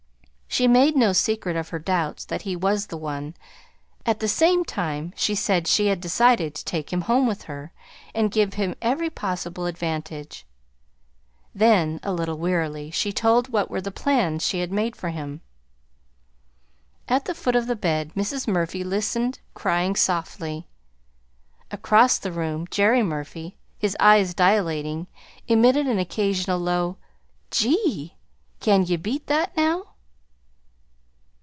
She made no secret of her doubts that he was the one; at the same time, she said she had decided to take him home with her and give him every possible advantage. Then, a little wearily, she told what were the plans she had made for him. At the foot of the bed Mrs. Murphy listened, crying softly. Across the room Jerry Murphy, his eyes dilating, emitted an occasional low "Gee! Can ye beat that, now?"